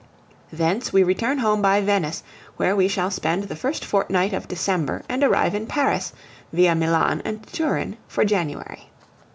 Thence we return home by Venice, where we shall spend the first fortnight of December, and arrive in Paris, via Milan and Turin, for January.